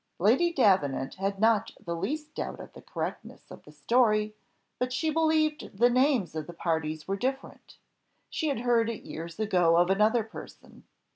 Lady Davenant had not the least doubt of the correctness of the story, but she believed the names of the parties were different; she had heard it years ago of another person.